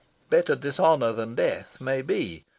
Better dishonour than death, maybe.